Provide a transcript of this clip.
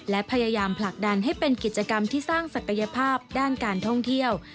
และพยายามผลักดันให้เป็นกิจกรรมที่สร้างศักยภาพด้านการท่องเที่ยว